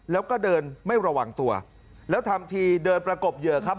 แล้วก็เดินไม่ระวังตัวแล้วทำทีเดินประกบเหยื่อครับ